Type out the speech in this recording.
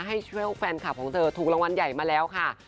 ให้ช่วยแฟนคลับของเธอถูกรางวัลใหญ่มาแล้วค่ะ